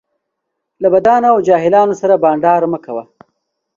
له بدانو او جاهلو سره بنډار مه کوه